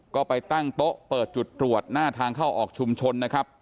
ก็ไปตั้งโต๊ะเปิดจุดตรวจหน้าทางเข้าออกชุมชนนะครับ